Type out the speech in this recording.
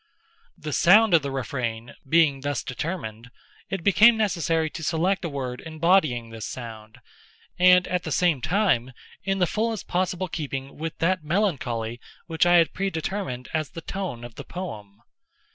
The sound of the refrain being thus determined, it became necessary to select a word embodying this sound, and at the same time in the fullest possible keeping with that melancholy which I had predetermined as the tone of the poem.